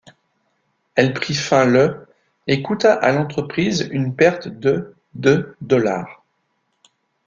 Elle prit fin le et coûta à l'entreprise une perte de de dollars.